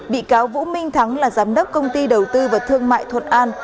bị cáo vũ minh thắng là giám đốc công ty đầu tư và thương mại thuận an